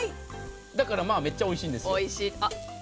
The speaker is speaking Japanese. だから、めっちゃおいしんです。